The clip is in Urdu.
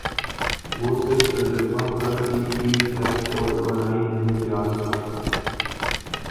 وہ صرف تجربہ کر کی چیز ہے اور بتائی نہیں جاسک